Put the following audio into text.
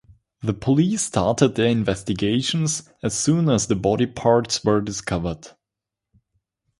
The police started their investigations as soon as the body parts were discovered.